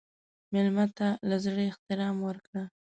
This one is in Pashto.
مېلمه ته له زړه احترام ورکړه.